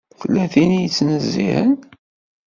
Tella tin i yettnezzihen.